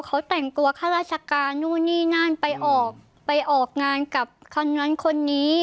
เขาแต่งตัวข้าราชการนู่นนี่นั่นไปออกไปออกงานกับคนนั้นคนนี้